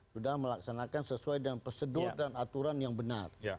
sudah melaksanakan sesuai dengan prosedur dan aturan yang benar